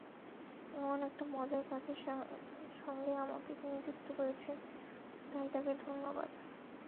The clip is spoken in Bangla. এমন একটা মজার কাজের সঙ্গে আমাকে তিনি যুক্ত করেছেন, তাই তাঁকে ধন্যবাদ।